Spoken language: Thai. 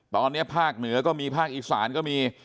ตอนนี้ภาคเหนือก็มีภาคอีสานก็มี